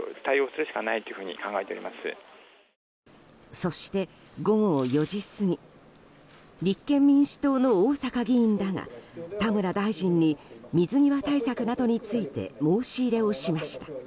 そして、午後４時過ぎ立憲民主党の逢坂議員らが田村大臣に水際対策などについて申し入れをしました。